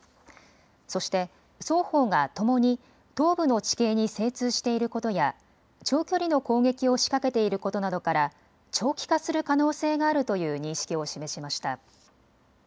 そして双方がともに東部の地形に精通していることや長距離の攻撃を仕掛けていることなどから長期化する可能性があるという認識を示しました。